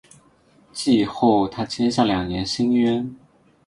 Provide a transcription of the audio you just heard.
季后他签下两年新约。